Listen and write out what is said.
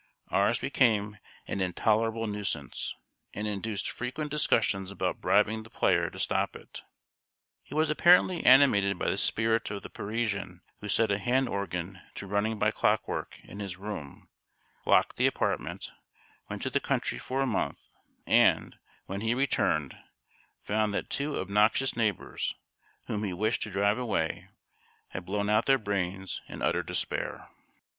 Ours became an intolerable nuisance, and induced frequent discussions about bribing the player to stop it. He was apparently animated by the spirit of the Parisian who set a hand organ to running by clockwork in his room, locked the apartment, went to the country for a month, and, when he returned, found that two obnoxious neighbors, whom he wished to drive away, had blown out their brains in utter despair.